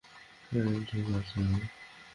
ঠিক আছি আমি।